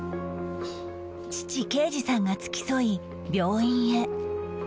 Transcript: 父啓治さんが付き添い病院へ